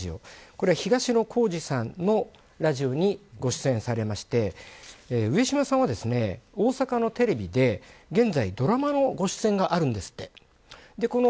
これは東野幸治さんのラジオにご出演されまして上島さんはですね大阪のテレビで現在ドラマのご出演があるんですって。